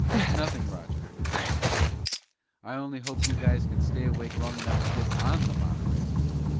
"Nothing, Roger," Tom replied. "I only hope you guys can stay awake long enough to get on the monorail."